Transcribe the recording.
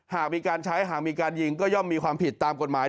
หากมีการใช้หากมีการยิงก็ย่อมมีความผิดตามกฎหมาย